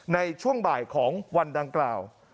ในช่วงบ่ายของวันดังกล่าว